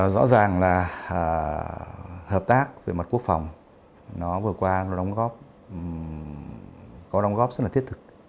rõ ràng là hợp tác về mặt quốc phòng nó vừa qua nó đóng góp có đóng góp rất là thiết thực